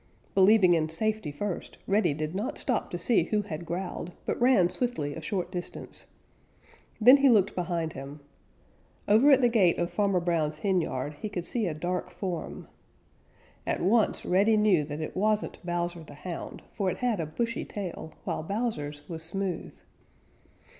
Believing in safety first, Reddy did not stop to see who had growled, but ran swiftly a short distance. Then he looked behind him. Over at the gate of Farmer Brown's henyard he could see a dark form. At once Reddy knew that it wasn't Bowser the Hound, for it had a bushy tail, while Bowser's was smooth.